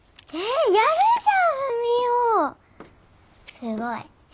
すごい。